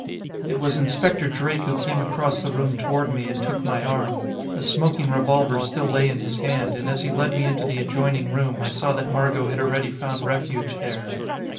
It was Inspector Drake who came across the room toward me, and took my arm. The smoking revolver still lay in his hand, and as he led me into the adjoining room, I saw that Margot had already found refuge there.